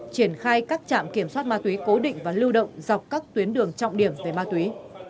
triển khai các trạm kiểm soát ma túy cố định và lưu động dọc các tuyến đường trọng điểm về ma túy